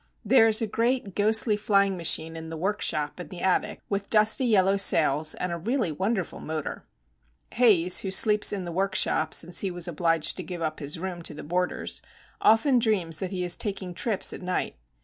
There is a great, ghostly, flying machine in the workshop in the attic with dusty yellow sails, and a really wonderful motor. Haze, who sleeps in the workshop since he was obliged to give up his room to the boarders, often dreams that he is taking trips at night.